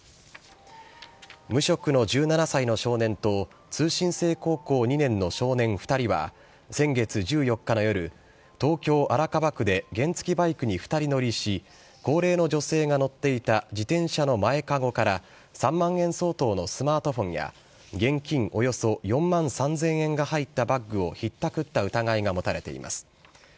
無職の１７歳の少年と通信制高校２年の少年２人は、先月１４日の夜、東京・荒川区で原付バイクに二人乗りし、高齢の女性が乗っていた自転車の前籠から３万円相当のスマートフォンや現金およそ４万３０００円が入ったバッグをひったくった疑いが持たれています。